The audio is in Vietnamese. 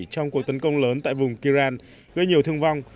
trong cuộc tấn công lớn tại vùng kiran với nhiều thương vong